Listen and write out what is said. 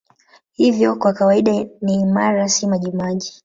Hivyo kwa kawaida ni imara, si majimaji.